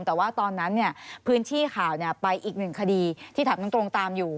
แต่ว่าตอนนั้นพื้นที่ข่าวไปอีกหนึ่งคดีที่ถามตรงตามอยู่